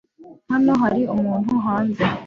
Hano hari umuntu hanze